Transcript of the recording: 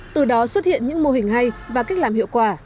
từ đó xuất hiện những mô hình hay và cách làm hiệu quả